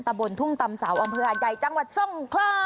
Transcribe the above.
บนทุ่งตำเสาอำเภอหาดใหญ่จังหวัดทรงคลา